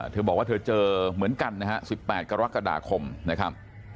เธอบอกว่าเธอเจอเหมือนกันนะฮะ๑๘กรกฎาคมนะครับ